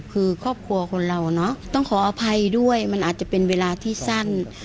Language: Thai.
คือครอบครัวคนเราเนอะต้องขออภัยด้วยมันอาจจะเป็นเวลาที่สั้น